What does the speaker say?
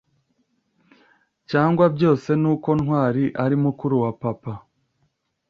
cyangwa byose nuko Ntwari ari mukuru wa Papa,